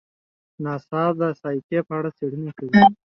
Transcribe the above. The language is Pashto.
ناسا د سایکي په اړه څېړنې کوي.